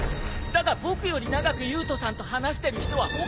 だが僕より長く優人さんと話してる人は他にも。